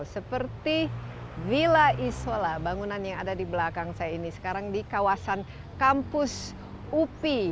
seperti villa isola bangunan yang ada di belakang saya ini sekarang di kawasan kampus upi